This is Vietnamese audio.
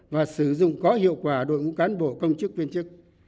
và sử dụng có hiệu quả đội ngũ cán bộ công chức viên chức